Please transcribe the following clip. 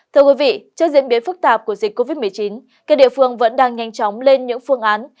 thưa quý vị trước diễn biến phức tạp của dịch covid một mươi chín các địa phương vẫn đang nhanh chóng lên những phương án